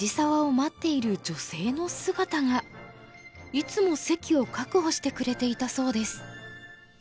いつも席を確保してくれていたそうです。